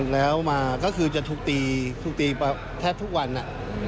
แล้วมาก็คือจะถูกตีถูกตีแทบทุกวัน